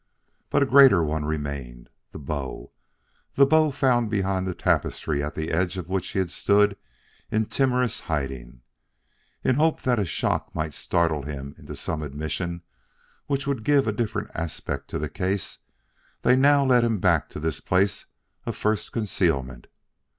But a greater one remained. The bow! the bow found behind the tapestry at the edge of which he had stood in timorous hiding! In the hope that a shock might startle him into some admission which would give a different aspect to the case, they now led him back to this place of first concealment.